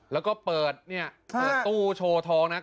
แล้วก็เปิดเนี่ยเปิดตู้โชว์ทองนะ